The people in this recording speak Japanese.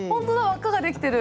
輪っかができてる。